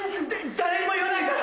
誰にも言わないから！